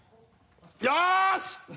よし！